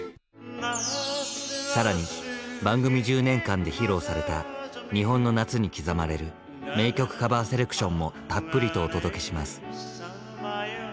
更に番組１０年間で披露された日本の夏に刻まれる名曲カバーセレクションもたっぷりとお届けします。